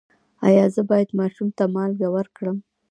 ایا زه باید ماشوم ته مالګه ورکړم؟